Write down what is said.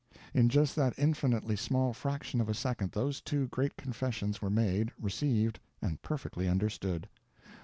In just that infinitely small fraction of a second those two great confessions were made, received, and perfectly understood.